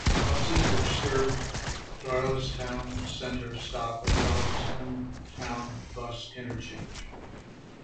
Buses which serve Darlaston Town Centre, stop at Darlaston Town Bus Interchange.